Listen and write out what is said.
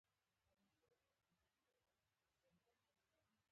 له لمانځه وروسته د استاد د اتاق په لور راغلو.